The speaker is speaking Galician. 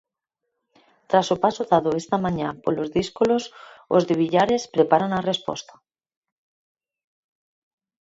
Tras o paso dado esta mañá polos díscolos, os de Villares preparan a resposta.